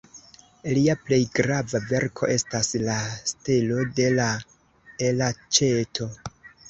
Lia plej grava verko estas "La Stelo de la Elaĉeto".